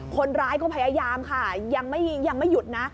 คนร้ายก็พยายามค่ะยังไม่หยุดนะ